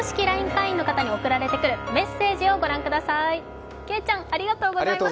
会員の方に送られてくるメッセージをご覧ください。